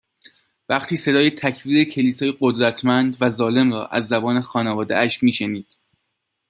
وقتی صدای تکفیر کلیسای قدرمتند و ظالم را از زبان خانواده اش می شنید